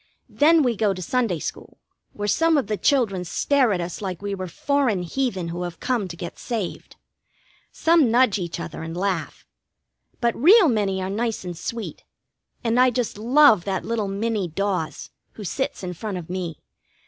Then we go to Sunday school, where some of the children stare at us like we were foreign heathen who have come to get saved. Some nudge each other and laugh. But real many are nice and sweet, and I just love that little Minnie Dawes, who sits in front of me.